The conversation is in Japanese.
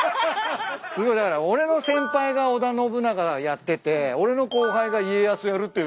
すごいだから俺の先輩が織田信長やってて俺の後輩が家康やるっていうね。